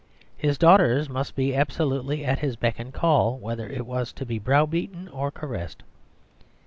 His daughters must be absolutely at his beck and call, whether it was to be brow beaten or caressed.